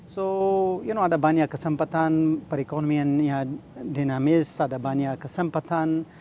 jadi ada banyak kesempatan perekonomian yang dinamis ada banyak kesempatan